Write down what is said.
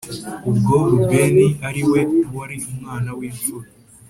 Ubwo rubeni ari we wari umwana w imfura